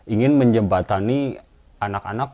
ingin menjembatani anak anak